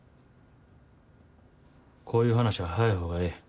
こういう話は早い方がええ。